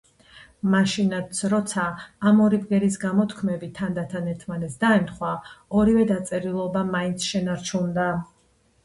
მაშინაც, როცა ამ ორი ბგერის გამოთქმები თანდათან ერთმანეთს დაემთხვა, ორივე დაწერილობა მაინც შენარჩუნდა.